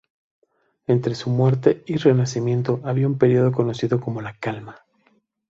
Entre su muerte y renacimiento había un periodo conocido como la Calma.